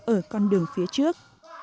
ở con đường phía trước